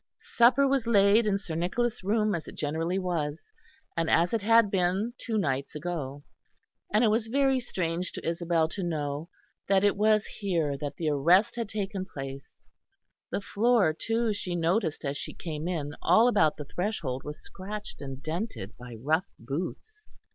Supper was laid in Sir Nicholas' room, as it generally was, and as it had been two nights ago; and it was very strange to Isabel to know that it was here that the arrest had taken place; the floor, too, she noticed as she came in, all about the threshold was scratched and dented by rough boots.